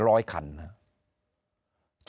นายกรัฐมนตรีพูดเรื่องการปราบเด็กแว่น